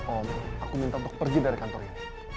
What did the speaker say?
om aku minta untuk pergi dari kantor ini